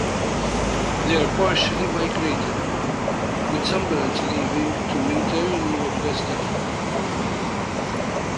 They are partially migratory, with some birds leaving to winter in northwest Africa.